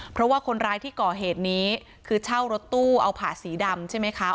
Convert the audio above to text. เพราะว่าคนร้ายที่ก่อเหตุนี้คือเช่ารถตู้เอาผ่าสีดำใช่ไหมคะ